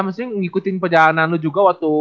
maksudnya ngikutin pejalanan lu juga waktu